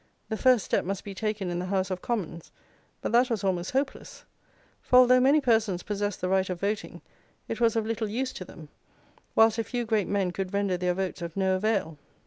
The first step must be taken in the House of Commons, but that was almost hopeless; for although many persons possessed the right of voting, it was of little use to them; whilst a few great men could render their votes of no avail.